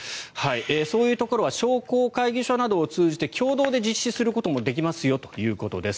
そういうところは商工会議所などを通じて共同で実施することもできますよということです。